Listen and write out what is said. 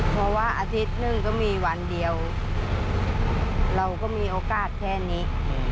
เพราะว่าอาทิตย์หนึ่งก็มีวันเดียวเราก็มีโอกาสแค่นี้